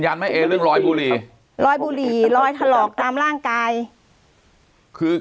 ยันไหมเอเรื่องรอยบุรีรอยบุรีรอยถลอกตามร่างกายคือ